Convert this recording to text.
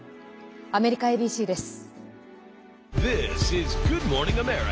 アメリカＡＢＣです。